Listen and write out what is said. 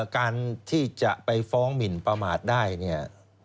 การที่จะไปฟ้องหมินประมาทได้เนี่ย